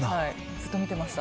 ずっと見てました。